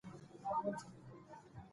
میندې د حفظ الصحې خیال ساتي.